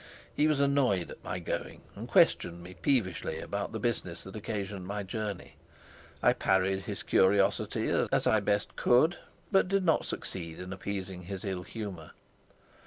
He was annoyed at my going, and questioned me peevishly about the business that occasioned my journey. I parried his curiosity as I best could, but did not succeed in appeasing his ill humor.